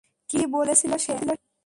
কী বলেছিল সে?